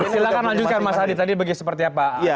silahkan lanjutkan mas adi tadi bagi seperti apa